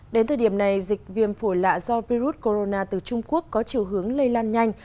đến thời điểm này dịch viêm phổi lạ do virus corona từ trung quốc có chiều hướng lây lan nhanh